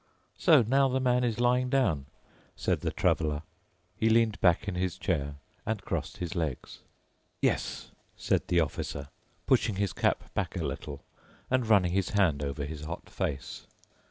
"So now the man is lying down," said the Traveler. He leaned back in his chair and crossed his legs. "Yes," said the Officer, pushing his cap back a little and running his hand over his hot face.